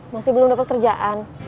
masih belum dapat kerjaan